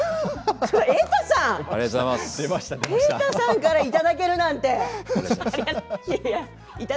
瑛太さんからいただけるなんて。